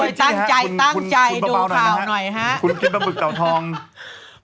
ดูข่าวหน่อยฮะ